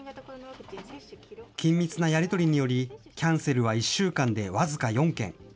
緊密なやり取りにより、キャンセルは１週間で僅か４件。